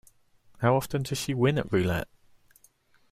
How often does she win at roulette?